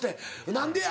「何でや？」